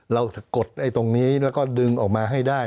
สะกดไอ้ตรงนี้แล้วก็ดึงออกมาให้ได้